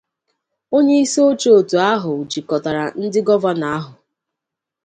onyeisioche òtu ahụ jikọtara ndị gọvanọ ahụ